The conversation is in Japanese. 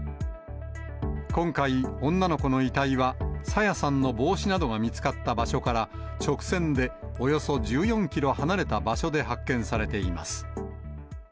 今回、女の子の遺体は、朝芽さんの帽子などが見つかった場所から直線でおよそ１４キロ離れた場所で発見されています。